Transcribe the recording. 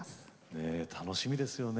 ねえ楽しみですよね